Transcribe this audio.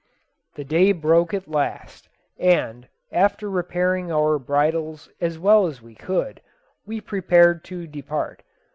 The day broke at last, and, after repairing our bridles as well as we could, we prepared to depart.